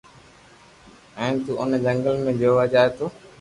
ھين تو اوني جنگل ۾ جووا جائي تو